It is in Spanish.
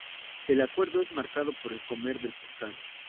El acuerdo es marcado por el comer del pescado.